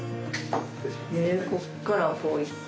こっからこう行って？